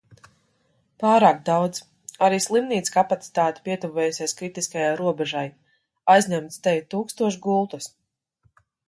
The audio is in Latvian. Pārāk daudz... Arī slimnīcu kapacitāte pietuvojusies kritiskajai robežai – aizņemtas teju tūkstoš gultas.